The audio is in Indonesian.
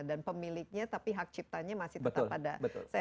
dan pemiliknya tapi hak ciptanya masih tetap ada